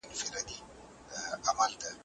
علم د رڼا څراغ دی.